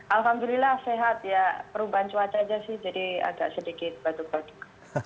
alhamdulillah sehat ya perubahan cuaca aja sih jadi agak sedikit batuk batuk